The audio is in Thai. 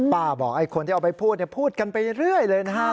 ป้าบอกไอ้คนที่เอาไปพูดเนี่ยพูดกันไปเรื่อยเลยนะฮะ